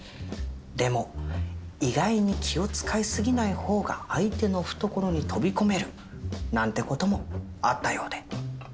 でも意外に気を遣い過ぎない方が相手の懐に飛び込めるなんて事もあったようで。